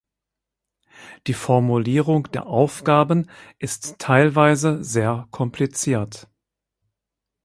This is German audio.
Die Formulierung der Aufgaben ist teilweise sehr kompliziert.